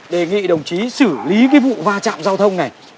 đề nghị đồng chí xử lý cái vụ va chạm giao thông này